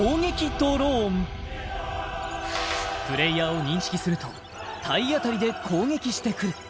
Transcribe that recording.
ドローンプレイヤーを認識すると体当たりで攻撃してくる